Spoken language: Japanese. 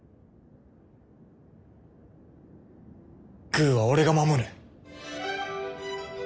グーは俺が守る！